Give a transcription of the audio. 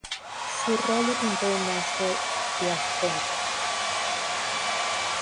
Su rol le brindó un Nastro d'Argento.